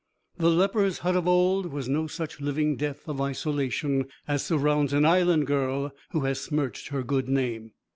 The lepers' hut of old was no such living death of isolation as surrounds an Island girl who has smirched her good name.